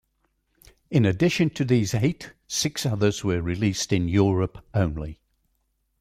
In addition to these eight, six others were released in Europe only.